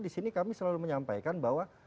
disini kami selalu menyampaikan bahwa